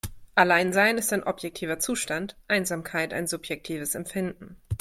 Alleinsein ist ein objektiver Zustand, Einsamkeit ein subjektives Empfinden.